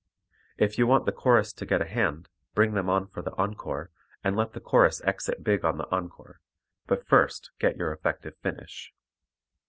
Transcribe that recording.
If you want the chorus to get a hand, bring them on for the encore, and let the chorus exit big on the encore, but first get your effective finish.